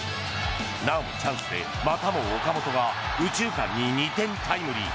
なおもチャンスで、またも岡本が右中間に２点タイムリー。